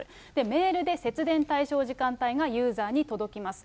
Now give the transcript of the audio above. メールで節電対象時間帯がユーザーに届きます。